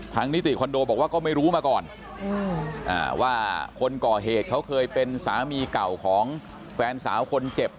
นิติคอนโดบอกว่าก็ไม่รู้มาก่อนว่าคนก่อเหตุเขาเคยเป็นสามีเก่าของแฟนสาวคนเจ็บ